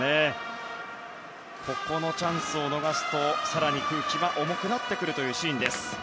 ここのチャンスを逃すと更に空気は重くなるというシーン。